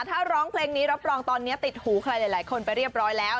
ถ้าร้องเพลงนี้รับรองตอนนี้ติดหูใครหลายคนไปเรียบร้อยแล้ว